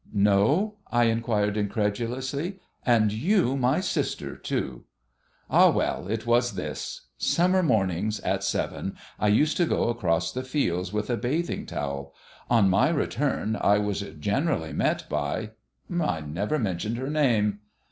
"No?" I inquired incredulously. "And you my sister, too! Ah, well, it was this. Summer mornings, at seven, I used to go across the fields with a bathing towel; on my return I was generally met by I never mentioned her name."